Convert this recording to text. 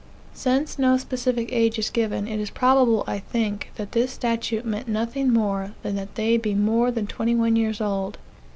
Since no specific age is given, it is probable, I think, that this statute meant nothing more than that they be more than twenty one years old.